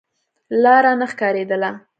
لاره نه ښکارېدله.